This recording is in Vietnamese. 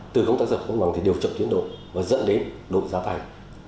từ công tác giải phóng hoạt bằng thì điều trọng tiến độ và dẫn đến đội giá tài